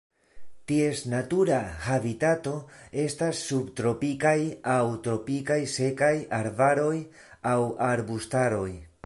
Ties natura habitato estas subtropikaj aŭ tropikaj sekaj arbaroj aŭ arbustaroj.